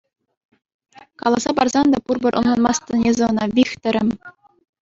Каласа парсан та пурпӗр ӑнланмастӑн эсӗ ӑна, Вихтӗрӗм.